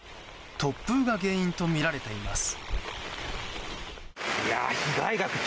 突風が原因とみられています。